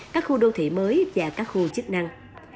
các khu đô thị mới và các khu chức năng